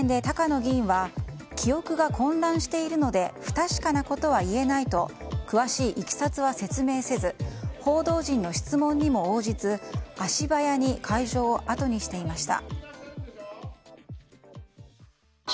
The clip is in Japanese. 会見で高野議員は記憶が混乱しているので不確かなことは言えないと詳しいいきさつは説明せず報道陣の質問にも応じず足早に会場をあとにしていました。